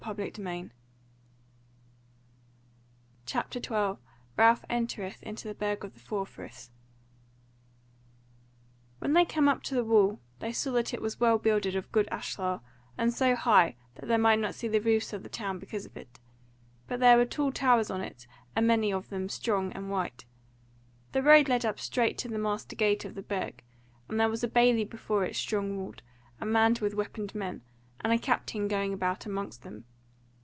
CHAPTER 12 Ralph Entereth Into the Burg of the Four Friths When they came up to the wall they saw that it was well builded of good ashlar, and so high that they might not see the roofs of the town because of it; but there were tall towers on it, a many of them, strong and white. The road led up straight to the master gate of the Burg, and there was a bailey before it strongly walled, and manned with weaponed men, and a captain going about amongst them.